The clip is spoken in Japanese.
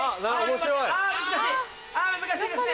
難しいですね。